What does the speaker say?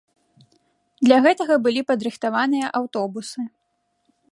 Для гэтага былі падрыхтаваныя аўтобусы.